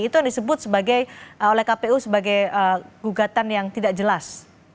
itu yang disebut oleh kpu sebagai gugatan yang tidak jelas